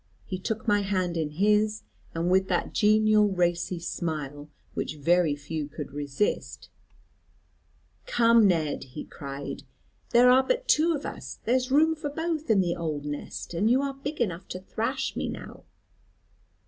He took my hand in his, and with that genial racy smile, which very few could resist, "'Come, Ned,' he cried, 'there are but two of us; there's room for both in the old nest; and you are big enough to thrash me now.